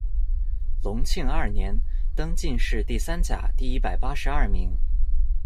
隆庆二年，登进士第三甲第一百八十二名。